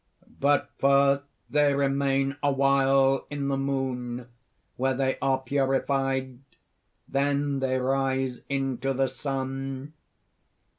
"But first they remain awhile in the Moon, where they are purified. Then they rise into the sun."